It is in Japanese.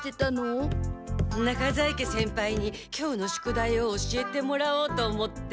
中在家先輩に今日の宿題を教えてもらおうと思って。